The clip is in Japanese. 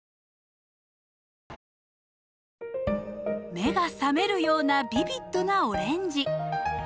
目が覚めるようなビビッドなオレンジ。